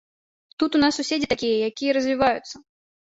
Тут у нас суседзі такія, якія развіваюцца.